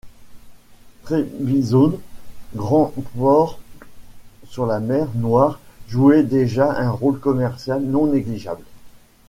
Trébizonde, grand port sur la mer Noire jouait déjà un rôle commercial non négligeable.